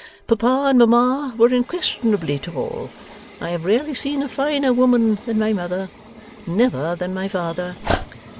Papa and Mamma were unquestionably tall. I have rarely seen a finer women than my mother; never than my father.